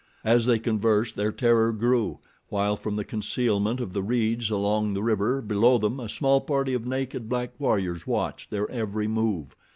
As they conversed their terror grew, while from the concealment of the reeds along the river below them a small party of naked, black warriors watched their every move.